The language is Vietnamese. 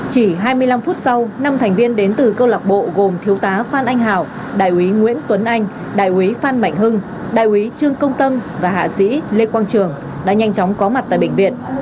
chỉ hai mươi năm phút sau năm thành viên đến từ câu lạc bộ gồm thiếu tá phan anh hào đại úy nguyễn tuấn anh đại úy phan mạnh hưng đại úy trương công tâm và hạ sĩ lê quang trường đã nhanh chóng có mặt tại bệnh viện